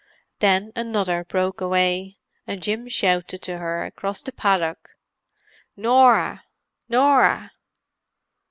Then another broke away, and Jim shouted to her, across the paddock. "Norah! Norah!"